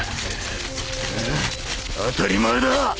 ああ当たり前だ！